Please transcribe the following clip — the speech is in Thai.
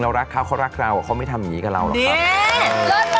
รักเขาเขารักเราเขาไม่ทำอย่างนี้กับเราหรอกครับ